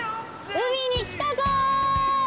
海に来たぞー！